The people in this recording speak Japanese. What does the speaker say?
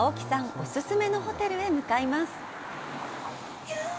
お勧めのホテルへ向かいます。